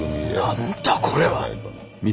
何だこれは！